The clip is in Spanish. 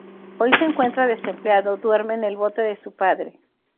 Hoy se encuentra desempleado, duerme en el bote de su padre.